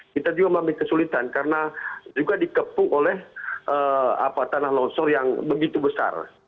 kita juga memiliki kesulitan karena juga dikepung oleh tanah longsor yang begitu besar